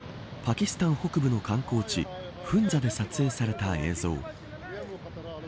これは今月７日パキスタン北部の観光地フンザで撮影された映像。